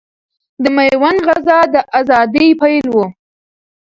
د ميوند غزا د اذادۍ پيل ؤ